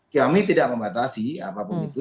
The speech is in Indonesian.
kami tidak membatasi apapun itu